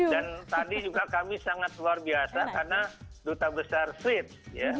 dan tadi juga kami sangat luar biasa karena duta besar swiss